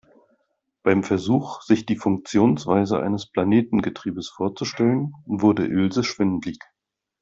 Bei dem Versuch, sich die Funktionsweise eines Planetengetriebes vorzustellen, wurde Ilse schwindelig.